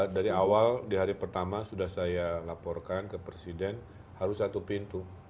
dari awal di hari pertama sudah saya laporkan ke presiden harus satu pintu